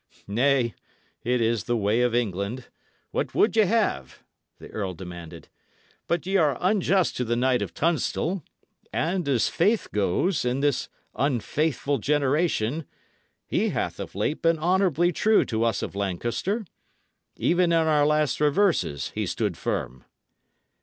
"Nay, it is the way of England. What would ye have?" the earl demanded. "But ye are unjust to the knight of Tunstall; and as faith goes, in this unfaithful generation, he hath of late been honourably true to us of Lancaster. Even in our last reverses he stood firm."